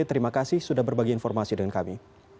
terima kasih sudah berbagi informasi dengan kami